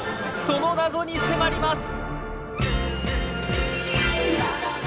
その謎に迫ります！